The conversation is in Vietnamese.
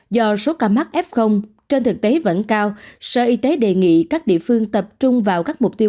do số ca mắc f trên thực tế vẫn cao sở y tế đề nghị các địa phương tập trung vào các mục tiêu